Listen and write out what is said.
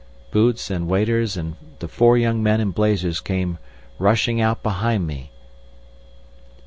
Boots and waiter and the four young men in blazers came rushing out behind me.